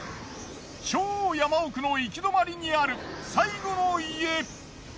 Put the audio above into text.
超山奥の行き止まりにある最後の家。